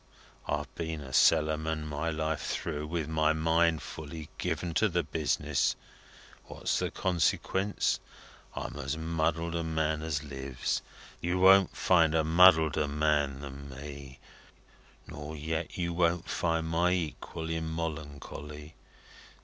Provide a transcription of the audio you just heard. I've been a cellarman my life through, with my mind fully given to the business. What's the consequence? I'm as muddled a man as lives you won't find a muddleder man than me nor yet you won't find my equal in molloncolly.